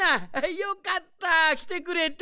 よかったきてくれて。